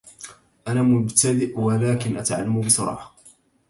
انا مبتدأ ولكن اتعلم بسرعة